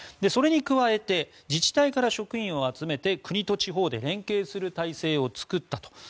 それに加えて自治体から職員を集めて国と地方で連携する体制を作ったと。